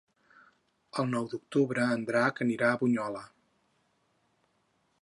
El nou d'octubre en Drac anirà a Bunyola.